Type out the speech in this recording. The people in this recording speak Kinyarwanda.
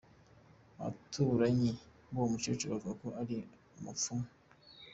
Abaturanyi b’uwo mukecuru bavuga ko ari umupfumu.